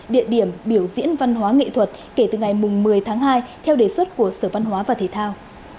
địa điểm biểu diễn văn hóa nghệ thuật kể từ ngày một mươi tháng hai theo đề xuất của sở văn hóa và thể thao